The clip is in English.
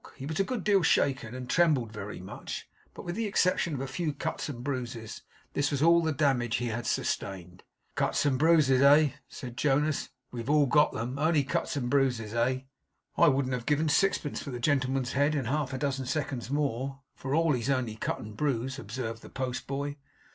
He was a good deal shaken, and trembled very much. But with the exception of a few cuts and bruises this was all the damage he had sustained. 'Cuts and bruises, eh?' said Jonas. 'We've all got them. Only cuts and bruises, eh?' 'I wouldn't have given sixpence for the gentleman's head in half a dozen seconds more, for all he's only cut and bruised,' observed the post boy.